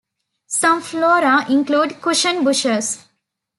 Some flora include cushion bushes.